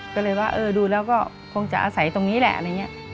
ก็เลยว่าดูแล้วก็คงจะอาศัยตรงนี้แหละ